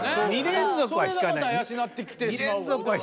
２連続は引かない。